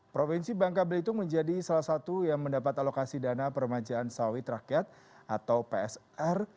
provinsi bangka belitung menjadi salah satu yang mendapat alokasi dana permajaan sawit rakyat atau psr